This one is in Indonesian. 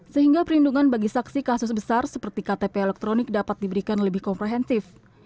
sehingga perlindungan bagi saksi kasus besar seperti ktp elektronik dapat diberikan lebih komprehensif